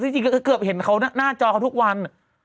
จริงค่ะเกือบเห็นเค้าหน้าจอครับทุกวัน